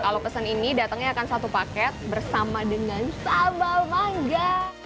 kalau pesen ini datangnya akan satu paket bersama dengan sambal mangga